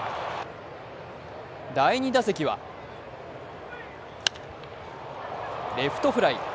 第２打席はレフトフライ。